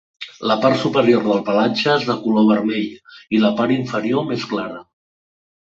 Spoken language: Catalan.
La part superior del pelatge és de color vermell i la part inferior més clara.